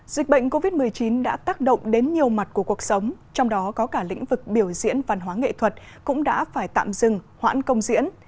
dịch bệnh covid một mươi chín đã tác động đến nhiều mặt của cuộc sống trong đó có cả lĩnh vực biểu diễn văn hóa nghệ thuật cũng đã phải tạm dừng hoãn công diễn